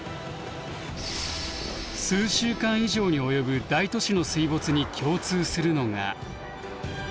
数週間以上に及ぶ大都市の水没に共通するのが。